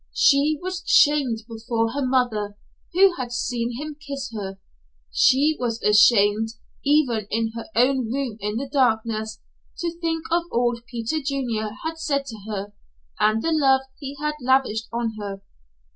She was shamed before her mother, who had seen him kiss her. She was ashamed even in her own room in the darkness to think of all Peter Junior had said to her, and the love he had lavished on her.